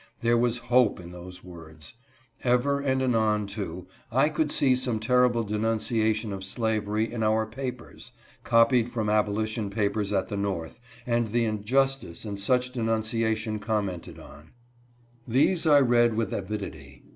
There was HOPE in those words. Ever and anon too, I could see some terrible denunciation of slavery in our papers, — copied from abolition papers at the North, — and the injustice of such denunciation com mented on. These I read with avidity.